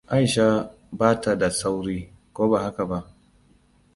Aisha ba ta da sauri, ko ba haka ba?